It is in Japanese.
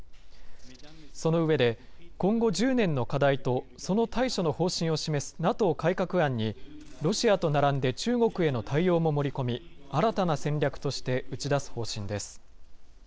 その上で、今後１０年の課題とその対処の方針を示すＮＡＴＯ改革案に、ロシアと並んで中国への対応も盛り込み、新たな戦略として打ち出す方針です。